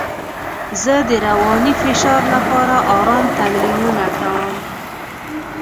زه د رواني فشار لپاره ارام تمرینونه کوم.